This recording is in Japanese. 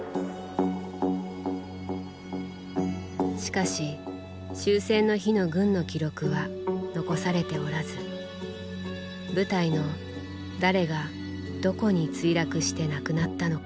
しかし終戦の日の軍の記録は残されておらず部隊の誰がどこに墜落して亡くなったのか分かりません。